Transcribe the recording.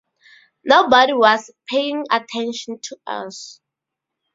Nobody was paying attention to us.